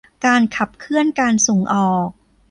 การขับเคลื่อนการส่งออก